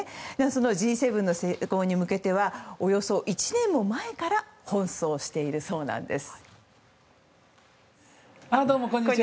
Ｇ７の成功に向けてはおよそ１年も前から奔走しているそうなんです。